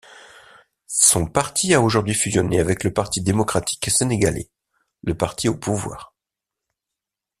Son parti a aujourd'hui fusionné avec le Parti démocratique sénégalais, le parti au pouvoir.